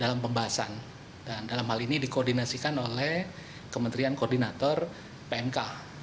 dalam pembahasan dan dalam hal ini dikoordinasikan oleh kementerian koordinator pmk